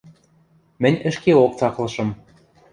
Мӹнь ӹшкеок цаклышым.